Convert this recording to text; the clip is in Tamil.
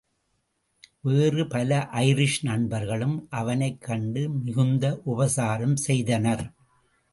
வேறு பல ஐரிஷ் நண்பர்களும் அவனைக் கண்டு மிகுந்த உபசாரம் செய்தனர்.